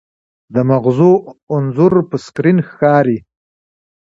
د مغزو انځور په سکرین ښکاري.